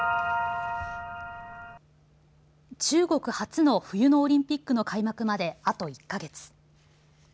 中国初の冬のオリンピックの開幕まであと１か月。